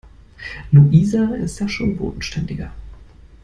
Luisa ist da schon bodenständiger.